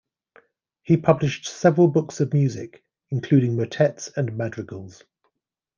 He published several books of music, including motets and madrigals.